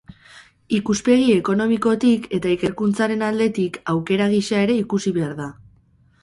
Ikuspegi ekonomikotik eta ikerkuntzaren aldetik, aukera gisa ere ikusi behar da.